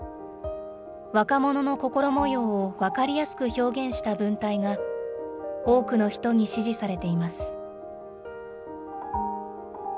若者の心もようを分かりやすく表現した文体が、多くの人に支持されています。